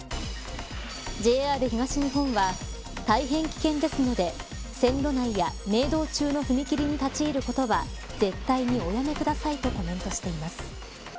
ＪＲ東日本は大変危険ですので線路内や鳴動中の踏切に立ち入ることは絶対におやめくださいとコメントしています。